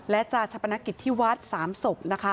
และจากชัพนกิจที่วัด๓ศพ